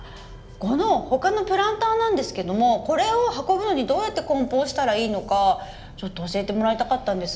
この他のプランターなんですけどもこれを運ぶのにどうやってこん包したらいいのかちょっと教えてもらいたかったんです。